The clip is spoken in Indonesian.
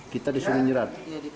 kita disuruh nyerat